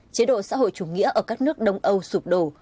chế độ xã hội chủ nghĩa ở các nước đông âu sụp đổ